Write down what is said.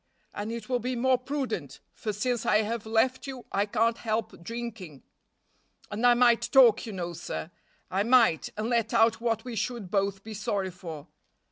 And it will be more prudent, for since I have left you I can't help drinking, and I might talk, you know, sir, I might, and let out what we should both be sorry for.